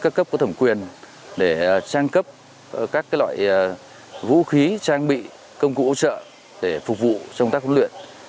trang cấp của thẩm quyền để trang cấp các loại vũ khí trang bị công cụ ỗ trợ để phục vụ trong tác huấn luyện